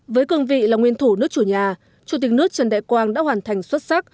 với cương vị là nguyên thủ nước chủ nhà chủ tịch nước trần đại quang đã hoàn thành xuất sắc